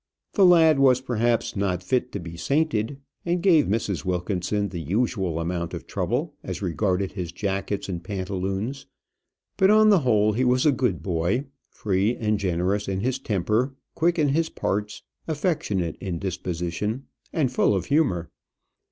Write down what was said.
The lad was perhaps not fit to be sainted, and gave Mrs. Wilkinson the usual amount of trouble as regarded his jackets and pantaloons; but, on the whole, he was a good boy, free and generous in his temper, quick in his parts, affectionate in disposition, and full of humour.